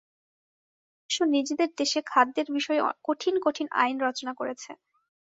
পশ্চিমা বিশ্ব নিজেদের দেশে খাদ্যের বিষয়ে কঠিন কঠিন আইন রচনা করেছে।